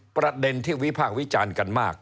ประเด็นที่วิพากษ์วิจารณ์กันมาก